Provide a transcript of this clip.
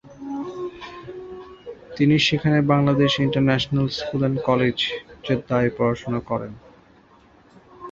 তিনি সেখানে Bangladesh international school and college, জেদ্দায় পড়াশোনা করেন।